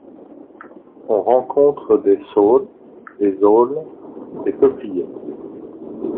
On rencontre des saules, des aulnes, des peupliers...